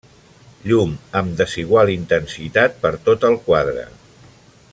Llum amb desigual intensitat per tot el quadre.